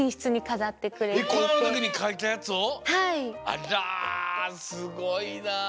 あらすごいな！